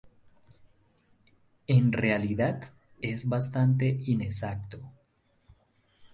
En realidad, es bastante inexacto.